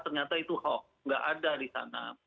ternyata itu hoax nggak ada di sana